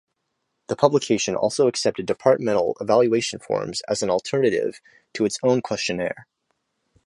The publication also accepted departmental evaluation forms as an alternative to its own questionnaire.